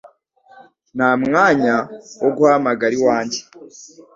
Nta mwanya wo guhamagara iwanjye